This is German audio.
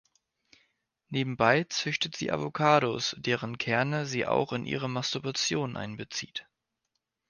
Nebenbei züchtet sie Avocados, deren Kerne sie auch in ihre Masturbation einbezieht.